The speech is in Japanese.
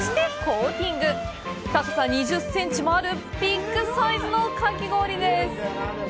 高さ２０センチもあるビッグサイズのかき氷です。